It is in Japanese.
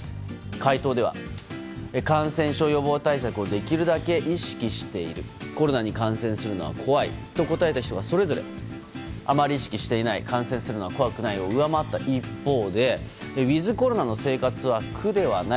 回答では感染症予防対策をできるだけ意識しているコロナに感染するのは怖いと答えた人はそれぞれあまり意識していない感染するのは怖くないを上回った一方でウィズコロナの生活は苦ではない。